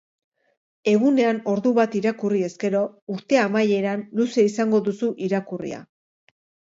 Egunean ordu bat irakurri ezkero, urte amaieran luze izango duzu irakurria